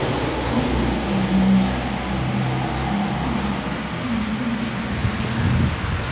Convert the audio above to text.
არსებობს აზრი იმის შესახებ რომ ბისექსუალობა არ არსებობს და ამაზე ორი შეხედულება არის.